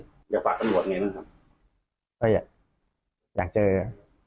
อยากฝากตำรวจไงบ้างครับ